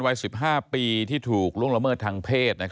วัย๑๕ปีที่ถูกล่วงละเมิดทางเพศ